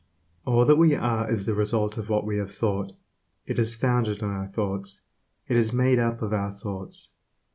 "All that we are is the result of what we have thought. It is founded on our thoughts; it is made up of our thoughts."